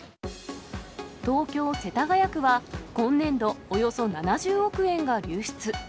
東京・世田谷区は、今年度、およそ７０億円が流出。